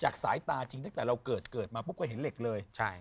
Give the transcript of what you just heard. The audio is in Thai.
จากสายตาจริงแต่เราเกิดมาพวกเราเห็นเหล็กเลย